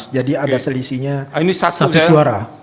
jadi ada selisihnya satu suara